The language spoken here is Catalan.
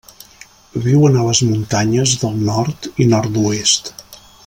Viuen a les muntanyes del nord i nord-oest.